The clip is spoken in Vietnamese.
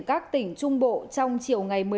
các tỉnh trung bộ trong chiều ngày